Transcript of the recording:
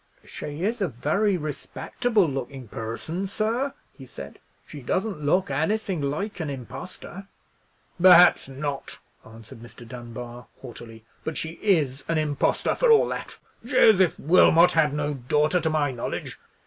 "She is a very respectable looking person, sir," he said; "she doesn't look anything like an impostor." "Perhaps not!" answered Mr. Dunbar, haughtily; "but she is an impostor, for all that. Joseph Wilmot had no daughter, to my knowledge.